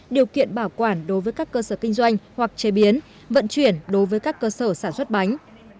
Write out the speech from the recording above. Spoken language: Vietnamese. điều kiện bảo quản đối với các cơ sở kinh doanh hoặc chế biến vận chuyển đối với các cơ sở sản xuất bánh